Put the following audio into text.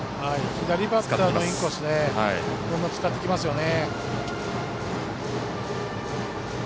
左バッターのインコースこれも使ってきますよね。